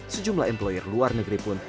sejumlah employer luar negeri pun